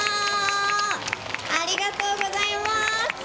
ありがとうございます。